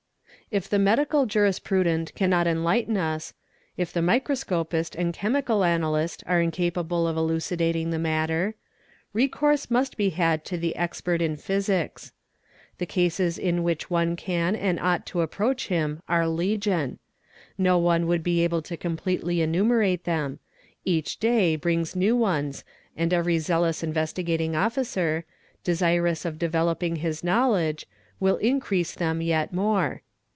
If the medical jurisprudent cannot enlighten us, if the microscopist ay nd chemical analyst are incapable of elucidating the matter, recourse ' thust be had to the expert in physics. The cases in which one can and Fe ght to approach him are legion; no one would be able to completely enumerate them; each day brings new ones and every zealous Investi gating Officer, desirous of developing his knowledge, will increase them yet more.